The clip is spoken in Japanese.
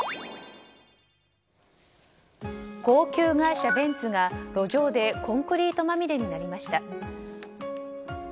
高級外車ベンツが路上でコンクリートまみれになりました。